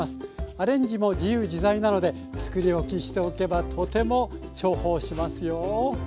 アレンジも自由自在なので作り置きしておけばとても重宝しますよ。